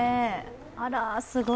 あら、すごい。